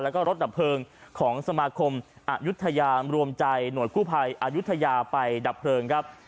แล้วก็รถดับเพลิงของสมาคมอายุทยารวมใจหน่วยกู้ภัยอายุทยาไปดับเพลิงครับ